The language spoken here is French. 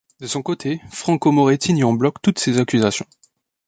De son côté, Franco Moretti nie en bloc toutes ces accusations.